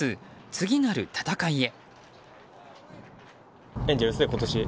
次なる戦いへ。